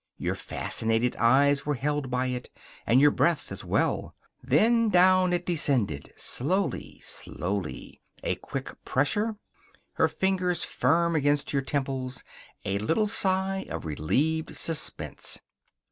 Your fascinated eyes were held by it, and your breath as well. Then down it descended, slowly, slowly. A quick pressure. Her fingers firm against your temples. A little sigh of relieved suspense.